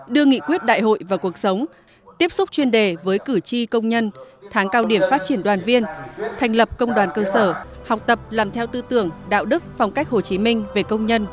đưa nghị quyết đại hội vào cuộc sống tiếp xúc chuyên đề với cử tri công nhân tháng cao điểm phát triển đoàn viên thành lập công đoàn cơ sở học tập làm theo tư tưởng đạo đức phong cách hồ chí minh về công nhân